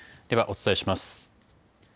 ではお伝えします。